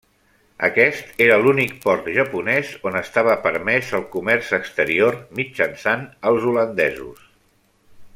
Aquest era l'únic port japonès on estava permès el comerç exterior mitjançant els holandesos.